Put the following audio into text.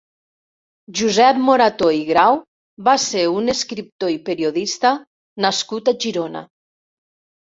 Josep Morató i Grau va ser un escriptor i periodista nascut a Girona.